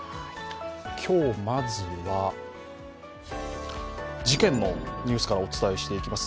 今日、まずは事件のニュースからお伝えしていきます。